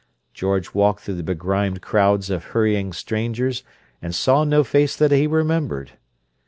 George walked through the begrimed crowds of hurrying strangers and saw no face that he remembered.